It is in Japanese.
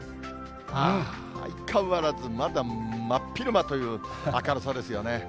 相変わらずまだ真っ昼間という明るさですよね。